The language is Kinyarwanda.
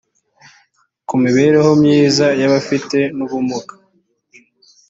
ku mibereho myiza y abafite n ubumuga